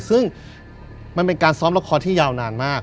ซึ่งมันเป็นการซ้อมละครที่ยาวนานมาก